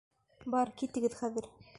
Бар, китегеҙ хәҙер.